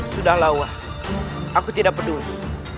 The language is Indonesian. sudahlah wa aku tidak peduli